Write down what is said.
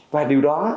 và điều đó